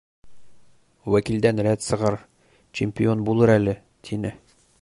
Вәкилдән рәт сығыр, чемпион булыр әле, тине.